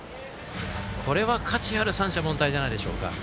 これは価値ある三者凡退じゃないでしょうか。